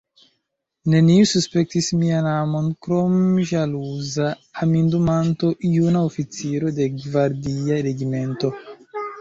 Neniu suspektis mian amon krom ĵaluza amindumanto, juna oficiro de gvardia regimento.